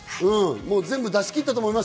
全部出し切ったと思います。